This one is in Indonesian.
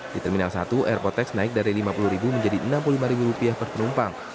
di terminal satu airport tax naik dari lima puluh ribu menjadi enam puluh lima ribu rupiah per penumpang